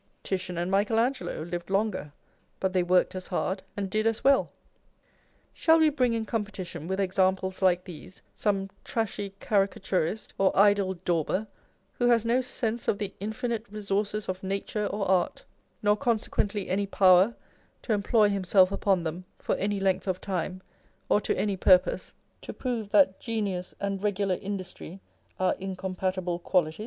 Titian and Michael Angelo lived longer, but they worked as hard and did as well. Shall we bring in competition with examples like these some trashy caricaturist or idle dauber, who has no sens© of the infinite resources of nature or art, nor consequently any power to employ himself upon them for any length of time or to any purpose, to prove that genius and regular industry are incompatible qualities